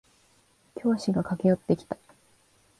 教師が駆け寄ってきた。